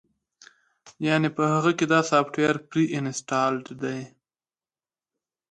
يعنې پۀ هغۀ کښې دا سافټوېر پري انسټالډ دے